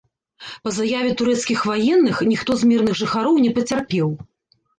Па заяве турэцкіх ваенных, ніхто з мірных жыхароў не пацярпеў.